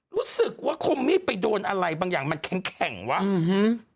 รู้สึกว่าคมมีดไปโดนอะไรบางอย่างมันแข็งแข็งวะอืม